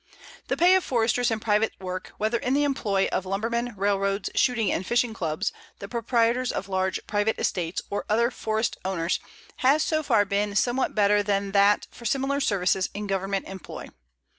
The pay of Foresters in private work, whether in the employ of lumbermen, railroads, shooting and fishing clubs, the proprietors of large private estates, or other forest owners, has so far been somewhat better than that for similar services in Government employ.